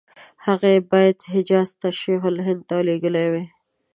هغه یې باید حجاز ته شیخ الهند ته لېږلي وای.